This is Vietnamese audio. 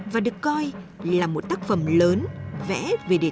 và được coi là một tác phẩm lớn vẽ về địa chỉ